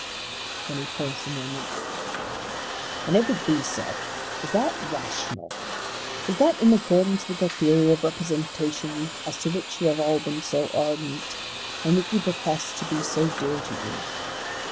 Then he paused a moment. "And if it be so, is that rational? Is that in accordance with the theory of representation as to which you have all been so ardent, and which you profess to be so dear to you?